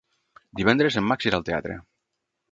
Divendres en Max irà al teatre.